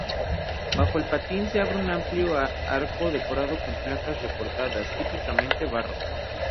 Bajo el patín se abre un amplio arco decorado con placas recortadas, típicamente barrocas.